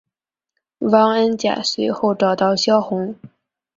汪恩甲随后找到萧红。